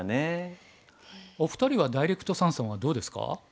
お二人はダイレクト三々はどうですか？